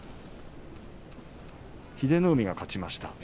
英乃海が勝ちました。